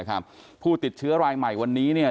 ผู้ติดเชื้อรายใหม่วันนี้เนี่ย